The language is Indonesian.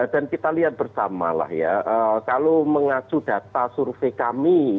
dan kita lihat bersama lah ya kalau mengacu data survei kami